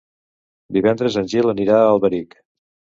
Divendres en Gil anirà a Alberic.